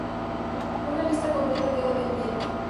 Una lista completa queda pendiente.